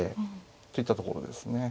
といったところですね。